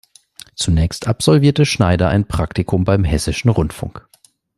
Zunächst absolvierte Schneider ein Praktikum beim Hessischen Rundfunk.